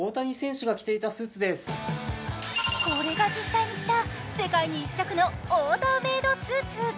これが実際に着た世界に１着のオーダーメードスーツ。